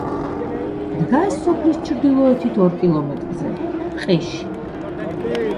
დგას სოფლის ჩრდილოეთით ორ კილომეტრზე, ტყეში.